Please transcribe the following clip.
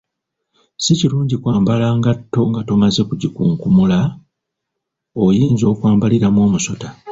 Si kirungi kwambala ngatto nga tomazze gikunkumula oyinza okwambaliramu omusota.